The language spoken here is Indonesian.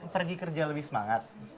pergi kerja lebih semangat